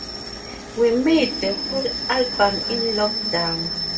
We made the whole album in lockdown.